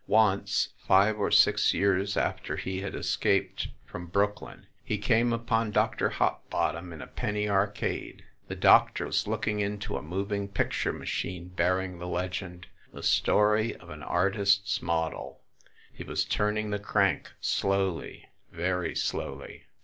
Once, five or six years after he had escaped from Brooklyn, he came upon Dr. Hopbottom in a penny arcade. The doctor was looking into a moving pic ture machine bearing the legend, The Story of an Artist s Model." He was turning the crank slowly very slowly.